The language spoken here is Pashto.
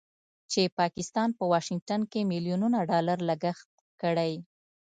چې پاکستان په واشنګټن کې مليونونو ډالر لګښت کړی